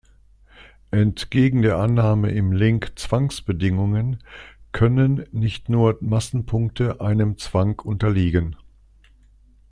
Entgegen der Annahme im Link "Zwangsbedingungen" können nicht nur Massenpunkte einem Zwang unterliegen.